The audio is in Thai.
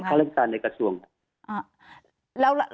เป็นฆาตราชการในกระทรวงครับ